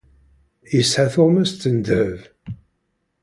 Yesεa tuɣmas n ddheb.